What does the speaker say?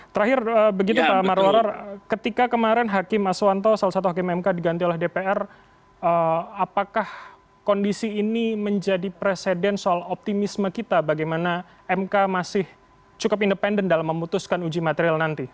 terakhir begitu pak marwar ketika kemarin hakim aswanto salah satu hakim mk diganti oleh dpr apakah kondisi ini menjadi presiden soal optimisme kita bagaimana mk masih cukup independen dalam memutuskan uji material nanti